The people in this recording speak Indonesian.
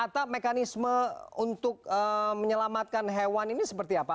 atta mekanisme untuk menyelamatkan hewan ini seperti apa